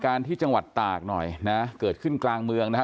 การที่จังหวัดตากหน่อยนะเกิดขึ้นกลางเมืองนะฮะ